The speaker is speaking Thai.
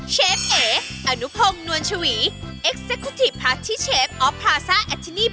สวัสดีครับทุกคน